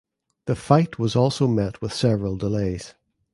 The fight was also met with several delays.